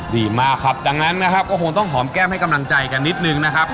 ดีมากครับดังนั้นนะครับก็คงต้องหอมแก้มให้กำลังใจกันนิดนึงนะครับ